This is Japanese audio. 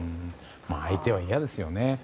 相手は嫌ですよね。